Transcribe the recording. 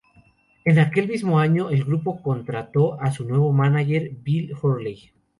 En aquel mismo año el grupo contrató a su nuevo mánager Bill Hurley.